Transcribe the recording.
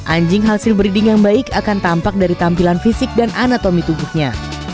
anjing hasil breeding yang baik akan tampak dari tampilan fisik dan anatomi tubuhnya